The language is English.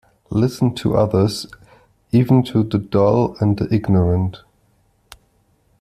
Listen to others, even to the dull and the ignorant